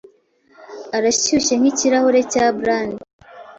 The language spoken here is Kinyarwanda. Urashyushye nkikirahure cya brandi